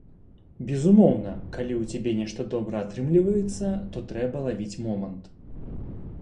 Безумоўна, калі ў цябе нешта добра атрымліваецца, то трэба лавіць момант.